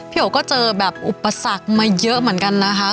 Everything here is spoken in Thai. โอก็เจอแบบอุปสรรคมาเยอะเหมือนกันนะคะ